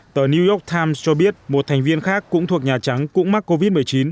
tờ new york times cho biết một thành viên khác cũng thuộc nhà trắng cũng mắc covid một mươi chín